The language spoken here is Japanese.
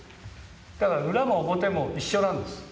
だから裏も表も一緒なんです。